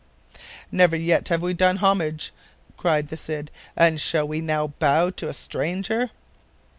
"Never yet have we done homage," cried the Cid, "and shall we now bow to a stranger?"